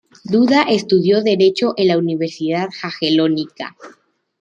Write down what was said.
Duda estudió derecho en la Universidad Jagellónica.